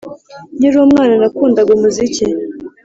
Nkiri umwana nakundaga umuziki,